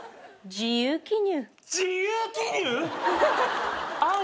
自由記入！？